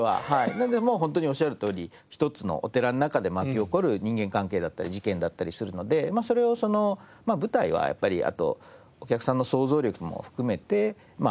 なのでホントにおっしゃるとおり一つのお寺の中で巻き起こる人間関係だったり事件だったりするのでそれをその舞台はやっぱりあとお客さんの想像力も含めて表現はできるので。